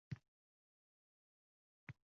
Bir havodan nafas olayotganlar.